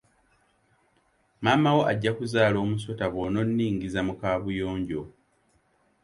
Maama wo ajja kuzaala omusota b'ononningiza mu kaabuyonjo.